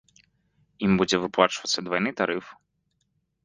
Ім будзе выплачвацца двайны тарыф.